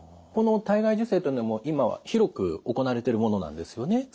この体外受精というのも今は広く行われてるものなんですよね？